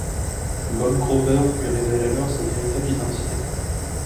Bob Grover lui révèle alors sa véritable identité.